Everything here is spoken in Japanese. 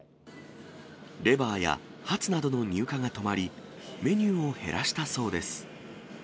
レバーやハツなどの入荷が止まり、メニューを減らしたそうです。